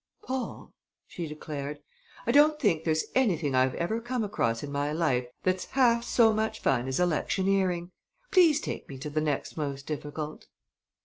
"Paul," she declared, "I don't think there's anything I've ever come across in my life that's half so much fun as electioneering! Please take me to the next most difficult."